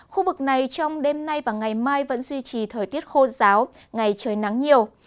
khu vực này trong đêm nay và ngày mai vẫn duy trì thời tiết khô giáo ngày trời nắng nhiều